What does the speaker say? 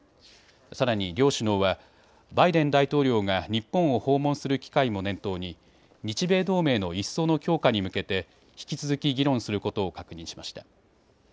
さらに両首脳はバイデン大統領が日本を訪問する機会も念頭に日米同盟の一層の強化に向けて引き続き議論することを確認しました。